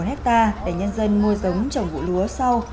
một hectare để nhân dân mua sống trồng vụ lúa sau